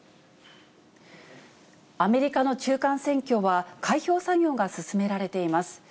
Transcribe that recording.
アメリカの中間選挙は、開票作業が進められています。